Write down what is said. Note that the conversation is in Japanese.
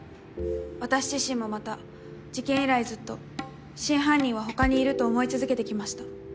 私自身もまた事件以来ずっと真犯人は他にいると思い続けてきました。